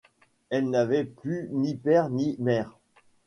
Elle n’avait plus ni père ni mère.